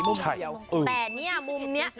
มุมเยอะเยอะแต่นี่มุมนี้เราก็เพิ่งจะใช่เออ